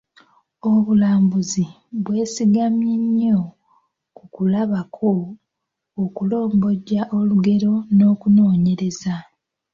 Obulambuzi bwesigamye nnyo ku kulabako, okulombojja olugero n’okunoonyereza.